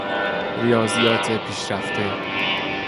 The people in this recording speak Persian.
ریاضیات پیشرفته